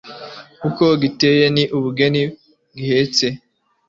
uko giteye n'ubugeni gihetse,